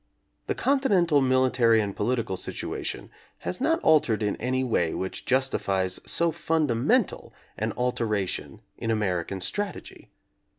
The continental military and polit ical situation has not altered in any way which jus tifies so fundamental an alteration in American strategy.